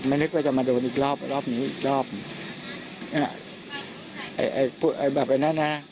ไม่นึกว่าจะมาโดนอีกรอบรอบนี้อีกรอบเนี้ยแบบไอ้นั่นน่ะ